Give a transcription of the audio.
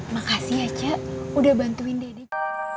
makasih aja udah bantuin dedek